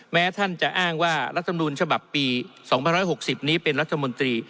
แม้ท่านจะอ้างว่ารัฐมนูลฉบับปี๒๑๖๐นี้เป็นรัฐมนตรี